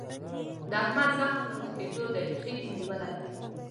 د احمد زخم په ښه کېدو دی. خیګ یې نیولی دی.